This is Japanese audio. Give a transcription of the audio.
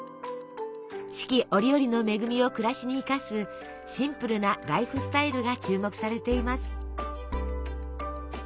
四季折々の恵みを暮らしに生かすシンプルなライフスタイルが注目されています。